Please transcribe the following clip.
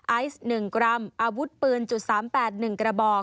ไอซ์๑กรัมอาวุธปืน๓๘๑กระบอก